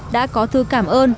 đã có thư cảm ơn